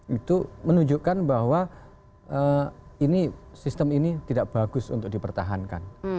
itu menunjukkan bahwa sistem ini tidak bagus untuk dipertahankan